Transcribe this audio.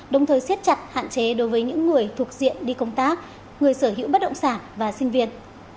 đồng thời siết chặt hạn chế đối với những người thuộc diện đi công tác người sở hữu bất động sản và sinh viên